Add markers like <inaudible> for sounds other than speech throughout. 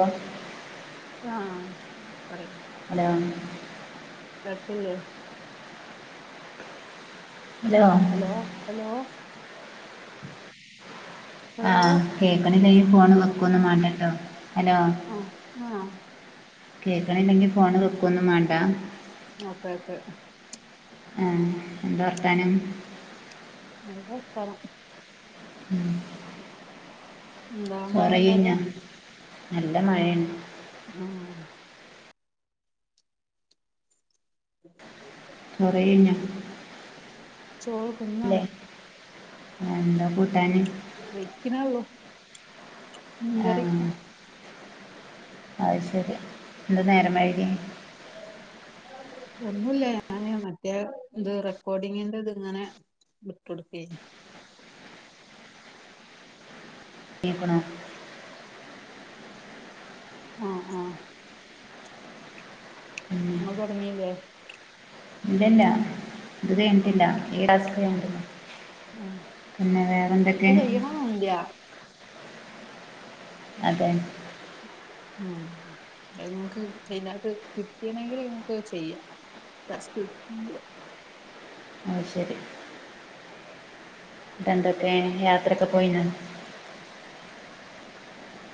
ഓ <unintelligible> ആഹ് പറയ് hello <unintelligible> പക്കല്ലേ hello hello hello ആ hello കേക്കാനില്ലെക്കിൽ ഫോണ് വെക്കൊന്നും മാണ്ട ട്ടോ ഹലോ ആ ആഹ കേൾക്കണില്ലെങ്കിൽ ഫോൺ വക്കൊന്നും മാണ്ട ഓക്കെ ഓക്കെ ആ എന്താ വർത്താനം നല്ല വർത്താനം ഉം. എന്താ മഴ ഇണ്ടോ അവിടെ ചോറെയിയയിഞഹോ നല്ല മഴയാണ് ആഹ ചോറെയികഴിഞ്ഞഹോ ചോർ ല്ലെ എന്താ കൂട്ടാന് വെക്കിനൊള്ളു ആഹ അത് ശരി എന്താ നേരം വഴുകിയെ ഒന്നുല്ല ഞാന് മറ്റേ ഇത് റെക്കോർഡിങ്ങിന്റെ ഇത്ങ്ങനെ വിട്ടോട്കെയിന് ക്ക് ണോ ആഹ് ആഹ് നിങ്ങൾ തുടങ്ങില്ലേ ഇല്ലല്ല ഇന്റദത് കഴിഞ്ഞിട്ടില്ല ഏ ആഹ് <unintelligible> ആഹ് പിന്നെ വേറെന്തൊക്കെ <unintelligible> അതെ ഉം അത് നിങ്ങക്ക് മൈനായിട്ട് കിട്ടിയിണെങ്കിൽ നമുക്ക് ചെയ്യാം <unintelligible> ആ ശരി ഇന്നട്ട് എന്തൊക്കെ യാത്രൊക്കെ പോയിണോ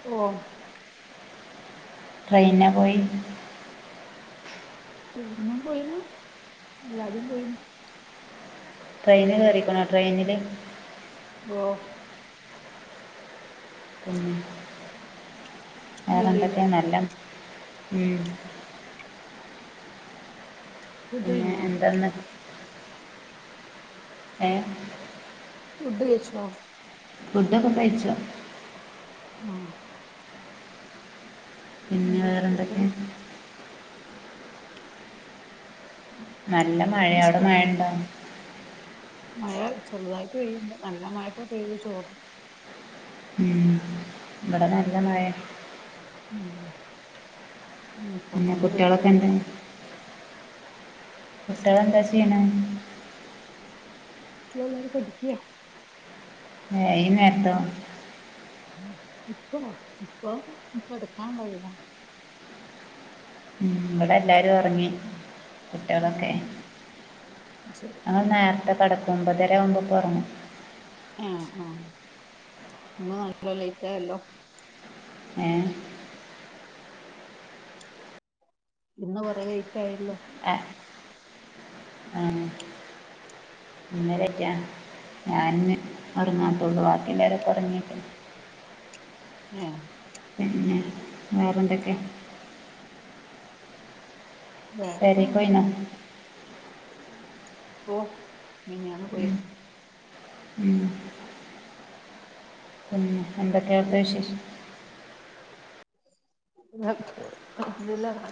ഓ ട്രൈനാ പോയെ ട്രെയിനും പോയന് അല്ലാതിം പോയിൻ ട്രെയിനിൽ കയറിക്ക്ണോ ട്രെയിനിൽ ഓഹ് ഉം അത് അറിയില്ലേ വേറെന്തൊക്കെയ നല്ല ഉം ഫുഡ് പിന്നെ കഴിഞ്ഞോ എന്താന്ന് ഏ ഫുഡ്‌ കഴിച്ചോ ഫുഡൊക്കെ കഴിചു ആഹ പിന്നെ എന്താ വേറെ എന്തൊക്കെ സ്പെഷ്യല് നല്ല മഴയാ അവിടെ സ്പെ- മഴണ്ടോ മഴ ചെറുതായിട്ട് പെയ്യ്ണ്ട് നല്ല മഴപ്പോ പെയ്തു ചോറ്ന്ന് മം ഇവിടെ നല്ല മഴെ ഉം ഉം പിന്നെ സൗണ്ട് കുട്ടികളൊക്കെ കേക്ക്ണ്ട് ഉണ്ട് കുട്ടികൾ എന്താ ചെയ്യ്ണെ കുട്ടികൾ എല്ലാരും പഠിക്കാ ഏ ഈ നേരത്തോ ഉ ഇപ്പൊ ഇപ്പം കിടക്കാൻ ഉള്ളതിലാ ഉം ഇവിടെ എല്ലാരും ഉറങ്ങി കുട്ടികളൊക്കെ ആഹ് ശരി ഞങ്ങൾ നേരത്തെ കിടക്കും ഒമ്പതര ആവുമ്പോക്ക് ഉറങ്ങും ആഹ ആഹ ഇന്ന് നല്ലോ ലൈറ്റ് ആയല്ലോ ഏഹ് ഇന്ന് കുറ എഴുത്തായിരുന്നു ആഹ് അന്നേരക്കാ ഞാൻ ഉം ഉറങ്ങാത്തുള്ളു ബാക്കില്ലാവര ഉറങ്ങിട്ട ആഹ് പിന്നെ വേറെന്തൊക്കെ വേറെക്കെ പെരക്ക് പോയി നേ നല്ലന്നെ ഓഹ് വിനിഞ്ഞായ്ന്ന് പോ ഉം, ഉം എന്തൊക്കെയാണ് അവിടത്തെ വിശേഷം അൽഹംദുലില്ലാ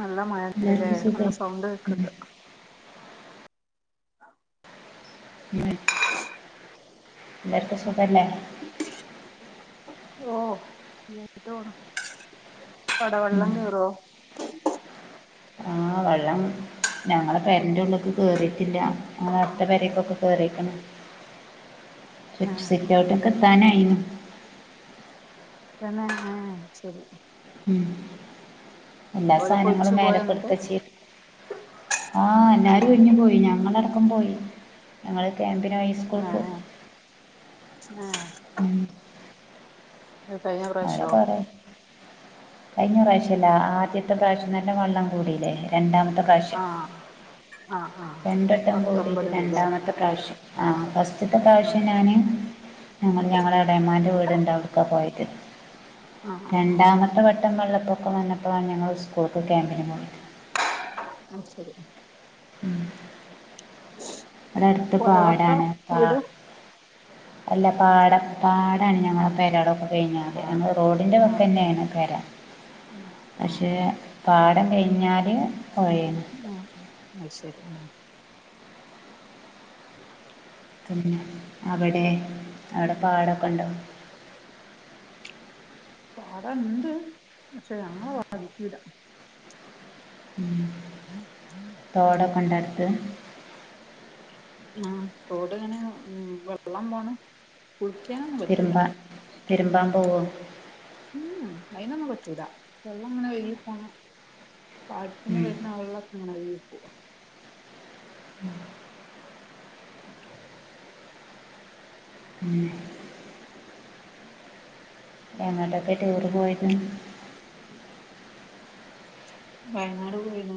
നല്ല മഴണ്ട്ല്ലേ എല്ലാവർക്കും നല്ല സുഖം സൗണ്ട് ഉം, കേക്കണ്ട് ആഹ് ഉ എല്ലാർക്കും സുഖല്ലേ ഓഹ് അട ഉം. വെള്ളം കയറോ ആ വെള്ളം ഞങ്ങളെ പെരൻ്റെ ഉള്ളക്കെ കേറിയിട്ടില്ല അ അടുത്ത പെരക്കൊക്കെ കേയറിക്കണ് ആഹ് സിറ്റോട്ടുക്ക് എത്താനായിരുന്നു തന്നെആ ശരി ഉം എല്ലാ ഓലൊക്കെ ഒഴിച്ചു സാധനങ്ങളും പോയോ എന്നിട്ട് മേലക്കെടുത്ത ച്ച് ആഹ് എല്ലരും ഒഴിഞ്ഞു പോയി ഞങ്ങളടക്കം പോയി ഞങ്ങള് ക്യാമ്പിനോയി ആഹ് ആഹ ആ ആഹ് ഉം കഴഞ്ഞ അങ്ങനെ പ്രാവശ്യോ പറ കഴിഞ്ഞ പ്രാവശ്യല്ല ആദ്യത്തെ പ്രാവശ്യം നല്ല വെള്ളം കൂടില്ലേ രണ്ടാമത്തെ പ്രാവശ്യം ആഹ് ആഹ് ആഹ് രണ്ടെട്ടം കൂടിയിട്ട് പത്തൊമ്പതില്ല്ലേ രണ്ടാമത്തെ പ്രാവശ്യം ആ ഫസ്റ്റത്തെ ആഹ് പ്രാവശ്യം ഞാാന് ഞങ്ങ ഞങ്ങള ഇളാമാന്റെ വീടുണ്ട് അവിടുക്ക പോയിട്ട് ആഹ് ആഹ് രണ്ടാമത്തെ വട്ടംവെള്ളപ്പൊക്കെ വന്നപ്പോഴാണ് ഞങ്ങൾ സ്കൂൾക്ക് ക്യാമ്പന് പോന്നത് ആ ശരി ഉ അടെ അടുത്ത് പുഴവക്ക പാടാണ് കാ വീട് അല്ല പാഠം പാടാണ് ഞങ്ങളുടെ ആഹ് പരടൊക്കെ കഴിഞ്ഞാൽ ഞങ്ങൾ പാടം റോഡിന്റെ ഒക്കെ തന്നെയാണ് പര ഉ ആഹ് ആഹ് പാടം കഴിഞ്ഞാൽ പൊഴെന്ന് ആഹ ആഹ് ശരി ആഹ് പിന്നെ അവിടെ അവിടെ പാടൊക്കെ ഉണ്ടോ പാടൻണ്ട് പക്ഷെ ഞങ്ങെ വാധിക്കുലാ ഉ തോട കൊണ്ടെടുത്ത് ആ തോട് ഇങ്ങനെ ഉ വെള്ളം പോണ കുളിക്ക തിരുമ്പ തിരുബൻ പോവ ഉംഹ് അയിൊന്നും പറ്റൂല വെള്ളം ഇങ്ങനെ ഒഴികി പോണ പാടത്തന്ന് ഉം. വരുന്ന വെള്ളക്കെ ഇങ്ങനെ ഒഴികി പോ <inaudible> മ് ഞങ്ങടെക്കെ ടൂറ് പോയിനു വയനാട് പോയിന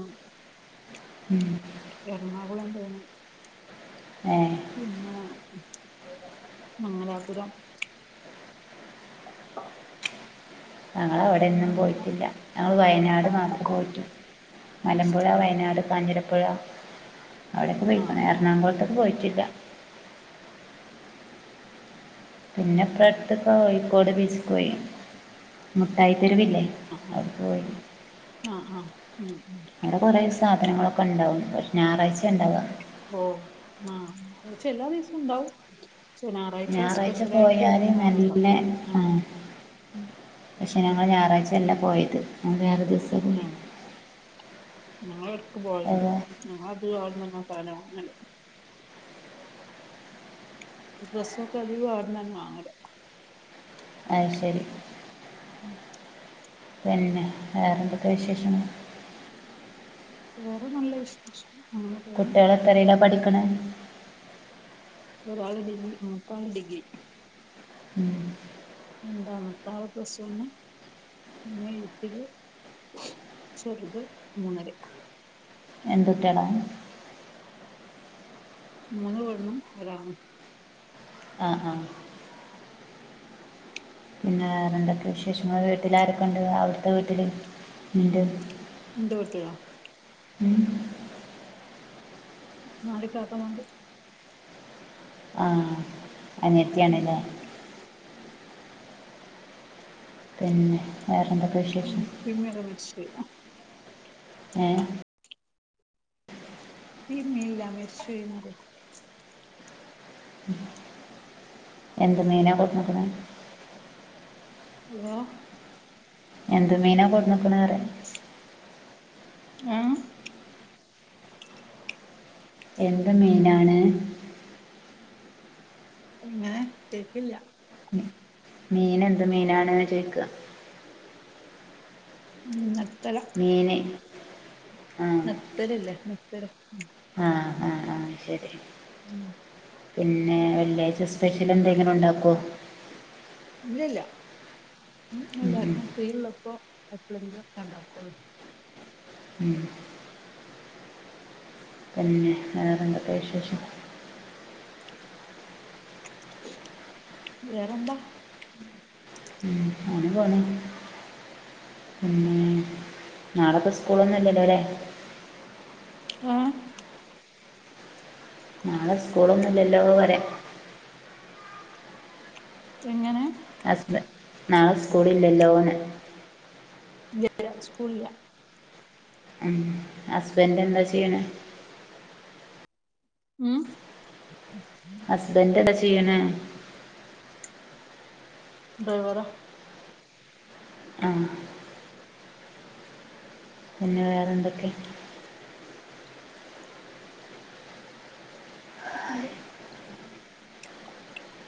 ഉം എറണാകുളം പോണം ഹെ പിന്നെ മംഗലാപുരം ഞങ്ങൾ അവിടെയന്നും മൂന്നാറ് പോയിട്ടില്ല ഞങ്ങൾ വയനാട് ഏഹ് മാത്രം പോയിട്ടു അത് മലമ്പുഴ ശരി വയനാട് കാഞ്ചിരപ്പുഴ അവിടെയൊക്കെ പോയിക്കുനു ആഹ് എറണാകുളത്തൊക്കെ പോയിട്ടില്ല പിന്നെ ഇപ്പടുത്ത് കോയിക്കോട് ബീച്ച്യിക്ക് പോയി മുട്ടായി തരുവില്ലേ ആഹ് ആഹ ആഹ ആഹ് മ് അവിടെ കുറെ സാധനങ്ങളൊക്കെ ഉണ്ടാവും പക്ഷെ ഞായറാഴ്ച ഉണ്ടാവ ഓ ആഹ പക്ഷെ എല്ലാ ദിവസവും ഇണ്ടാവും ഞായറാഴ്ച സ്പെഷ്യല ആയിട്ട് പോയാല് നല്ല വേറുണ്ടവും ആ പക്ഷേ ഞങ്ങൾ ഞായാഴ്ചല്ല പോയത് ഞൾ വേറെ ദിവസം ആഹ ഞങ്ങൾ എടക്ക് പോവലുണ്ട് ഓഹ് ഞങ്ങളത് അവിട്ന്നന്നെ സാദനം വാങ്ങല് ഡ്രസ്സംക്കെ അധികം ആവിടന്ന ന്നെ വങ്ങല് അഹ് ശരി ഉം പിന്നെ വേറെന്തൊക്കെ വിശേഷങ്ങൾ വേറെ നല്ല വിശേഷം അങ്ങനെ പോണ് കുട്ടിളൊത്തറില്ല പഠിക്ക്ണ് ഒരാൾ ഡിഗ്രി മുത്തോൻ ഡിഗ്രി ഉ എന്താ മറ്റാൾ പ്ലസ് വന്ന് പിന്നെ എട്ടിൽ ചെറുത് മൂനിൽ എന്ത് കുട്ടിയാല മൂന്ന് പെണ്ണും ഒരാണും ആഹ ആഹ പിന്നെ വേറെന്താക്കെ വിശേഷങ്ങൾ വീട്ടിലാരൊക്കെ ഉണ്ട് അവിടുത്തെ വീട്ടിൽ ഇണ്ട് ഇന്റെ വീട്ടിലോ ഉം നാല് ഇക്കക്ക മാർ ആ അനിയത്തി ഉം ആണ്ല്ലേ പിന്നെ വേറെന്തൊക്കെ വിശേ ഇന്റെ ഇപ്പിഇമ്മിക്കെ മരിച്ചു പോയി ഹെ ഇപ്പി ഇമ്മില്ല മരിച്ചുപോയിന്ന് പരിയാ എന്ത് മീനാണ് കൊടുന്നക്ക്ണ് ഹലോ എന്ത് മീനാ കൊട്ന്നക്ക്ന്ന്പറയാ ആഏ എന്ത് മീനാണ് ഞാൻ കേക്കില്ല മീൻ എന്ത് മീനാണ് ചോദിക്കുക ഇന്നട്ത്തരം മീന് ആ നെത്തല്‌ ഇല്ലേ നെത്തല് ആ ആ അയ് ശരി ഉം പിന്നെ വെള്ളിയാഴ്ച സ്പെഷ്യൽ എന്തെങ്കിലും ഉണ്ടാക്കോ ഇല്ലല്ല ഉ എല്ലർക്കും ഫ്രീ ഉള്ളപ്പോ എപ്പോളെങ്കിലും ഒക്കെ ഉണ്ടാക്കൊള്ളൂ ഉം പിന്നെ വേറെന്താ എന്താ വിശേഷം വേറെന്താ <unintelligible> ഉം നാളപ്പോ സ്കൂളൊന്നും ഇല്ലല്ലോ ലേ ഏ നാളെ സ്കൂളൊന്നു ഇല്ലല്ലോ പറയാ എങ്ങനെ <unintelligible> നാളെ സ്കൂളില്ലല്ലൊന്ന് ഇല്ലല്ല സ്കൂളില്ല ഉംഹസ്ബൻ് എന്താ ചെയ്യണേ ഉം ഹുസ്ബൻഡ് എന്താ ചെയ്യ്ണേ ഡ്രൈവറാ ഏ പിന്നെ വേറെന്തൊക്കെ <unintelligible>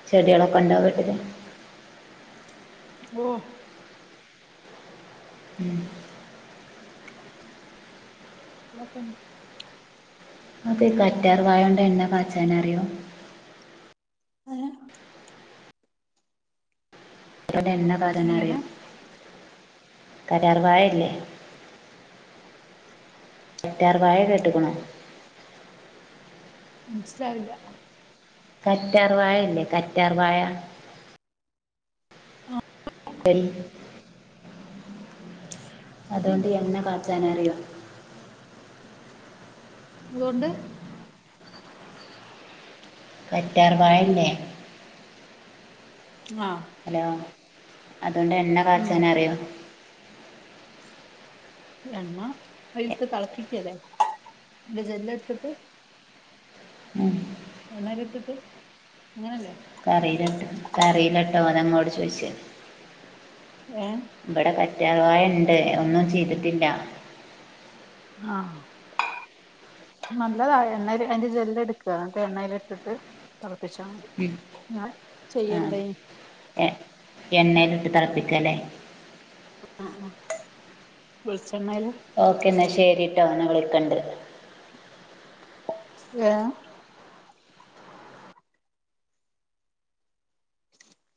ചെടികളൊക്കെ ഉണ്ടോ വീട്ടിൽ ഓ ഉം ക്കെ ഉണ്ട് ഇങ്ങക്ക് കറ്റാർ വഴോണ്ട് എണ്ണ കാച്ചാൻ അറിയോ ഏ എണ്ണ ഉണ്ടാക്കാൻ എങ്ങനെ അറിയൂ കാറ്റാർ വാഴല്ലേ കറ്റാർവാഴ കേട്ടുകുണോ മനസ്സിലാവില്ല കറ്റാർ വാഴ ഇല്ലേ കറ്റാർ വാഴ <inaudible> <unintelligible> അതുകൊണ്ട് പൊതിണ്ട് എണ്ണ കാച്ചാൻ അറിയോ അത് കൊണ്ട് കാറ്റാർവാഴല്ലെ ആഹ് ഹലോ അതുകൊണ്ട് എണ്ണ ഉം കാച്ചാൻ അറിയോ എണ്ണ എ- അയിലിട്ട് തിളപ്പിക്കല്ലേ അതിന്റെ ജെല്ല് എടുത്തിട്ട് ഉം എണ്ണെ അയ്ലിട്ടിട്ട് അങ്ങനെ അല്ലേ അറീലാട്ടോ ഇക്ക് അറീലാട്ടോ അതാ ഇങ്ങളോട് ചോദിച്ചത് ഏഹ് ഇവിടെ കറ്റാർവാഴ ഉണ്ട് ഒന്നും ചെയ്തിട്ടില്ല ആഹ് <unintelligible> അതിന്റെ ജെല്ല് എടുക്കുക എന്നിട്ട് എണ്ണൽ ഇട്ടിട്ട് തിളപ്പിച്ചാ മതി ഉം ഞാൻ ആ ചെയ്യലിണ്ടേനി എ എണ്ണയിലിട്ട് തിളപ്പിക്ക അല്ലേ ആഹ് ആഹ്‌ വെളിച്ചെണ്ണേൽ - ഓക്കേ എന്നാൽ ശരിട്ടോ ഞാൻ വിളിക്കണ്ട് ഏഹ്